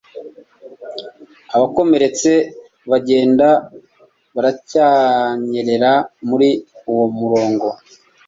Abakomeretse bagenda baracyanyerera muri uwo murongo